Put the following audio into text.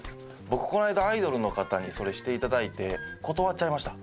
僕この間アイドルの方にそれしていただいて断っちゃいました。